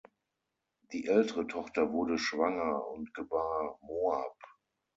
Die ältere Tochter wurde schwanger und gebar Moab.